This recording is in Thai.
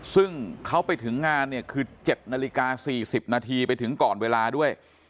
ซึ่งเขาไปถึงงานเนี่ยคือ๗นาฬิกา๔๐นาทีไปถึงก่อนเวลาด้วย